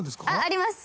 あります。